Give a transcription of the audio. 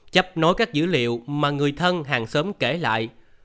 chấp nối các dữ liệu mà người thân hàng sớm kể lại